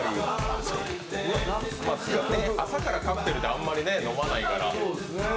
朝からカクテルってあんまり飲まないから。